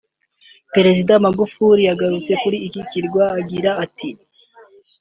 Perezida Magufuli yagarutse kuri iki kirwa agira ati